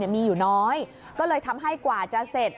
มีอยู่น้อยก็เลยทำให้กว่าจะเสร็จ